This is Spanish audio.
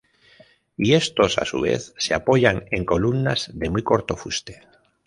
Y estos a su vez se apoyan en columnas de muy corto fuste.